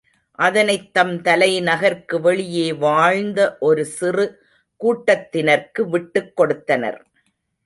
அதனைத் தம் தலைநகர்க்கு வெளியே வாழ்ந்த ஒரு சிறு கூட்டத்தினர்க்கு விட்டுக் கொடுத்தனர்.